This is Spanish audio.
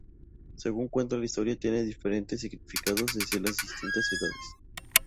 Según cuenta la historia tiene diferentes significados desde las distintas edades.